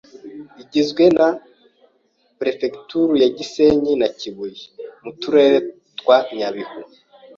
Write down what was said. igizwe na Perefegitura ya Gisenyi na Kibuye (mu turere twa Nyabihu,